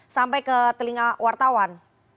sampai ke telinga wartawan